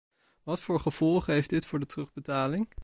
Wat voor gevolgen heeft dit voor de terugbetaling?